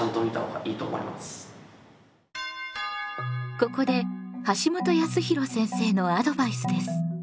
ここで橋本康弘先生のアドバイスです。